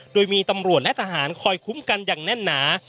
โดยมีตำรวจและทหารคอยคุ้มกันอย่างแน่นหนา